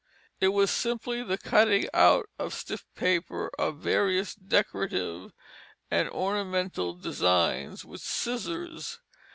It was simply the cutting out of stiff paper of various decorative and ornamental designs with scissors.